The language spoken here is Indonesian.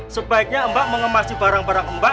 sebaiknya mbak mengemasi barang barang